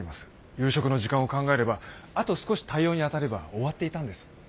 夕食の時間を考えればあと少し対応に当たれば終わっていたんです。